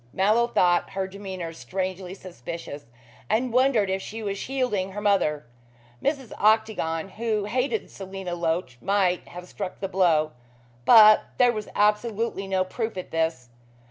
Mallow thought her demeanor strangely suspicious, and wondered if she was shielding her mother. Mrs. Octagon, who hated Selina Loach, might have struck the blow, but there was absolutely no proof of this.